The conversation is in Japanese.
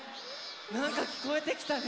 なんかきこえてきたね！